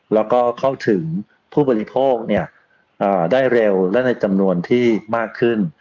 แล้วก็เข้าถึงผู้บริโภคได้เร็วและในจำนวนที่มากขึ้น